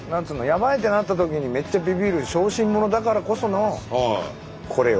やばいってなった時にめっちゃビビる小心者だからこそのこれよ。